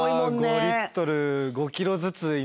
５リットル５キロずつ今。